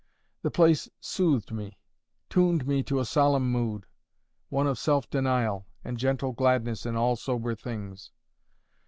The place soothed me, tuned me to a solemn mood—one of self denial, and gentle gladness in all sober things.